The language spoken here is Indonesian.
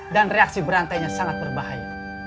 dan reaksi berantainya sangat berbahaya